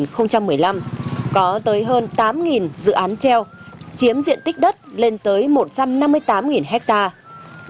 năm hai nghìn một mươi năm có tới hơn tám dự án treo chiếm diện tích đất lên tới một trăm năm mươi tám hectare